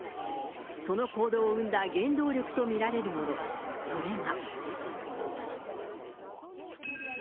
その行動を生んだ原動力と見られるもの、それが。